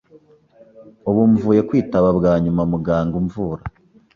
Ubu mvuye kwitaba bwa nyuma muganga umvura,